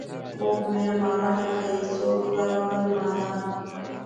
خوب وينم عالمه که یې څوک راکړل مانا.